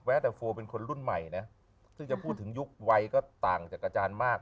แต่โฟลเป็นคนรุ่นใหม่นะซึ่งจะพูดถึงยุควัยก็ต่างจากอาจารย์มาก